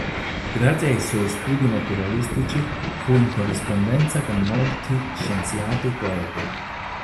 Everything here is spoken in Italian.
Grazie ai suoi studi naturalistici fu in corrispondenza con molti scienziati coevi.